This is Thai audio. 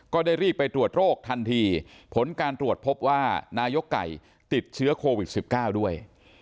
ก็ได้รีบไปตรวจโรคทันทีผลการตรวจพบว่านายกไก่ติดเชื้อโควิด๑๙ด้วย